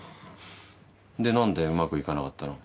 で何でうまくいかなかったの？